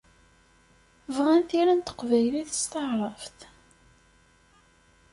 Bɣan tira n teqbaylit s taɛrabt.